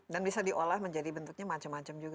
dan bisa diolah menjadi bentuknya macam macam juga ya